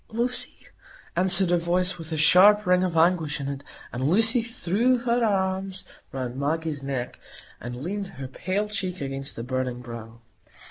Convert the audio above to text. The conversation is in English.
"Lucy!" answered a voice with a sharp ring of anguish in it; and Lucy threw her arms round Maggie's neck, and leaned her pale cheek against the burning brow.